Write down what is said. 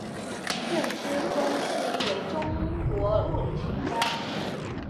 任之恭是一位中国物理学家。